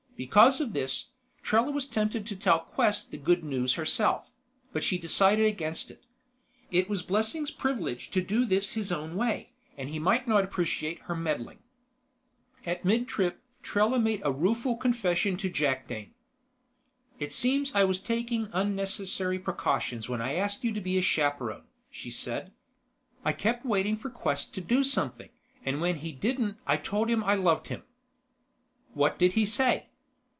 Because of this, Trella was tempted to tell Quest the good news herself; but she decided against it. It was Blessing's privilege to do this his own way, and he might not appreciate her meddling. At midtrip, Trella made a rueful confession to Jakdane. "It seems I was taking unnecessary precautions when I asked you to be a chaperon," she said. "I kept waiting for Quest to do something, and when he didn't I told him I loved him." "What did he say?"